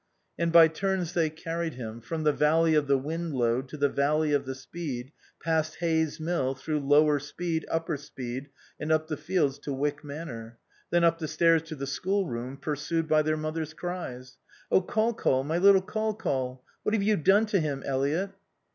And by turns they carried him, from the valley of the Windlode to the valley of the Speed, past Hayes Mill, through Lower Speed, Upper Speed, and up the fields to Wyck Manor. Then up the stairs to the schoolroom, pursued by their mother's cries. "Oh Col Col, my little Col Col! What have you done to him, Eliot?"